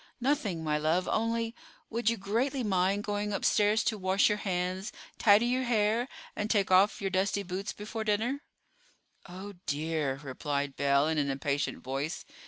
"Nothing, my love; only would you greatly mind going upstairs to wash your hands, tidy your hair, and take off your dusty boots before dinner?" "Oh, dear," replied Belle in an impatient voice.